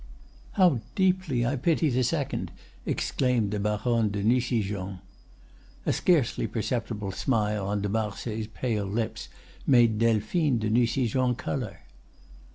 "How deeply I pity the second!" exclaimed the Baronne de Nucingen. A scarcely perceptible smile on de Marsay's pale lips made Delphine de Nucingen color.